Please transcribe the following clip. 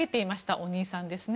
お兄さんですね。